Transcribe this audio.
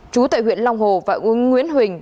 chú tại huyện long hồ và nguyễn huỳnh